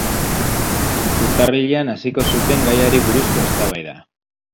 Urtarrilean hasiko zuten gaiari buruzko eztabaida.